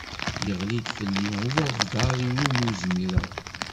Yeɣli-d fell-i ubabder i wumi ur zmireɣ.